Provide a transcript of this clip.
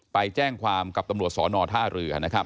ไปแจ้งความกับตำรวจศนธรือ